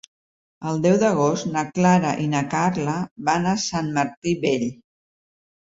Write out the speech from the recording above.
El deu d'agost na Clara i na Carla van a Sant Martí Vell.